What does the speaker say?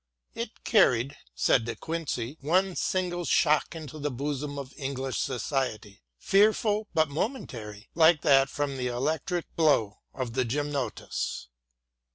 " It carried," said De Quincey, " one single shock into the bosom of English society, fearful but momentary, hke that from the electric blow of the gymnotus."